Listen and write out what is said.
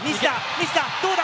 西田どうだ？